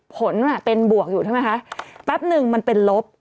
ผลเป็นบวกอยู่ใช่ไหมคะแป๊บนึงมันเป็นลบ